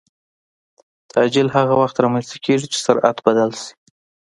تعجیل هغه وخت رامنځته کېږي چې سرعت بدل شي.